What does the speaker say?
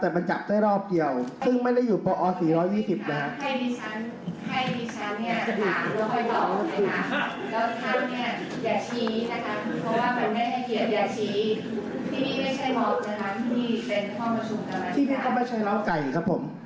แต่ที่นี่นะคะพี่ชั้นเกิดเลี้ยงไก่และพี่ชั้นก็ไม่ชอบหมูด้วยค่ะ